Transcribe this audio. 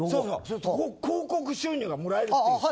広告収入がもらえるっていう。